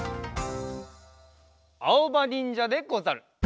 あおばにんじゃでござる！